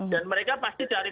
dan mereka pasti cari